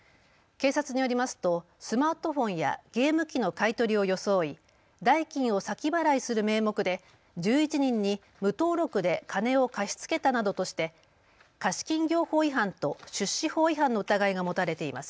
警察によりますとスマートフォンやゲーム機の買い取りを装い代金を先払いする名目で１１人に無登録で金を貸し付けたなどとして貸金業法違反と出資法違反の疑いが持たれています。